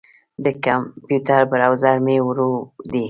د کمپیوټر بروزر مې ورو دی.